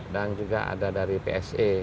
dan juga ada dari pse